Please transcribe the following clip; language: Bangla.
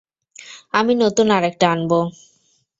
আমি নতুন আরেকটা আনবো।